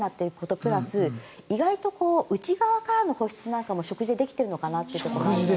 プラス意外と内側からの保湿も食事でできているのかなというところもあるので。